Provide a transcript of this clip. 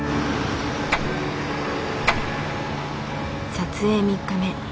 撮影３日目。